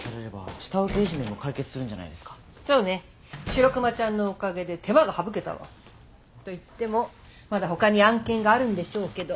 白熊ちゃんのおかげで手間が省けたわ。といってもまだ他に案件があるんでしょうけど。